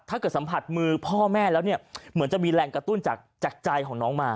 ถ้าเกิดสัมผัสมือพ่อแม่แล้วเนี่ยเหมือนจะมีแรงกระตุ้นจากใจของน้องมา